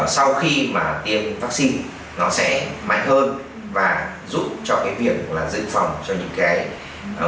sau khi mà tiêm vaccine nó sẽ mạnh hơn và giúp cho cái việc là dự phòng cho những cái khó khăn